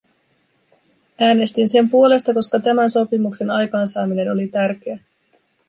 Äänestin sen puolesta, koska tämän sopimuksen aikaansaaminen oli tärkeää.